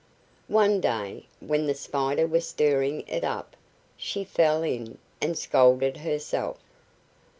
One day, when the Spider was stirring it up, she fell in and scalded herself.